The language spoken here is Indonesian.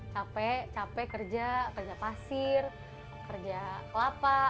capek capek kerja kerja pasir kerja kelapa